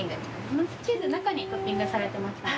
チーズ中にトッピングされてますので。